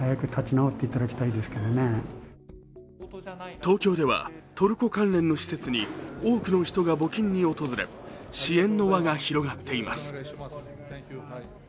東京ではトルコ関連の施設に多くの人が募金に訪れ支援の輪が広がっています。